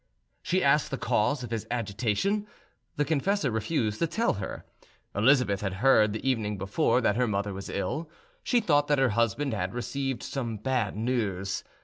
She asked the cause of his agitation; the confessor refused to tell her. Elizabeth had heard the evening before that her mother was ill; she thought that her husband had received some bad news.